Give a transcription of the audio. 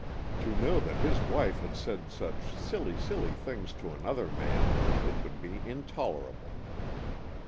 To know that his wife had said such silly, silly things to another man, it would be intolerable."